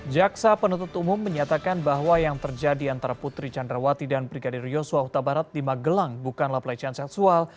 jaksa penuntut umum menyatakan bahwa yang terjadi antara putri candrawati dan brigadir yosua huta barat di magelang bukanlah pelecehan seksual